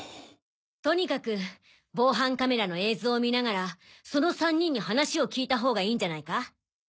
とにかく防犯カメラの映像を見ながらその３人に話を聞いた方がいいんじゃないか？